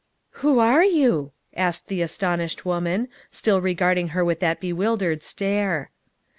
" Who are you ?" asked the astonished woman, still regarding her with that bewildered stare.